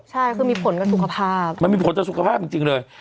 ใช่คือมีผลต่อสุขภาพมันมีผลต่อสุขภาพจริงเลย